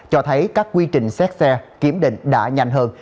cho thấy các quy trình xét xe kiểm định đã nhanh hơn